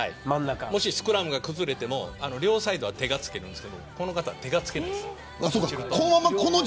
もしスクラムが崩れても両サイドは手がつけるんですけどこの方は手がつけない。